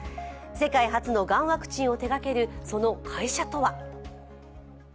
世界初のがんワクチンを手がけるその会社とは？